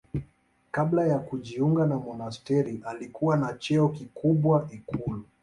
Kabla ya kujiunga na monasteri alikuwa na cheo kikubwa ikulu.